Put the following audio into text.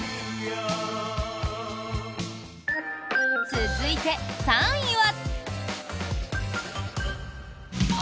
続いて、３位は。